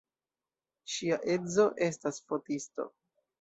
Ŝia edzo estas fotisto.